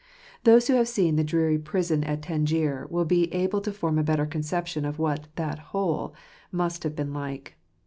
Those who have seen the dreary prison at Tangier will be able to form a better conception of what that " hole " must have been like.